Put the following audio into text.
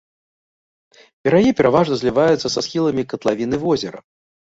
Берагі пераважна зліваюцца са схіламі катлавіны возера.